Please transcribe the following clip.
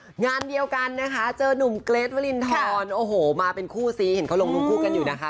งานเดียวกันนะคะเจอนุ่มเกรทวรินทรโอ้โหมาเป็นคู่ซีเห็นเขาลงรูปคู่กันอยู่นะคะ